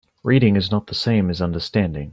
Reading is not the same as understanding.